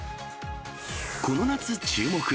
この夏注目！